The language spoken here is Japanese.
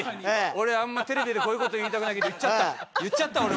俺あんまテレビでこういう事言いたくないけど言っちゃった。